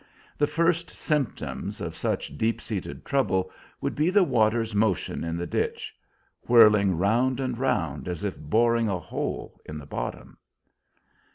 The first symptom of such deep seated trouble would be the water's motion in the ditch, whirling round and round as if boring a hole in the bottom.